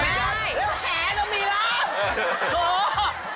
แล้วแห่จะมีแล้ว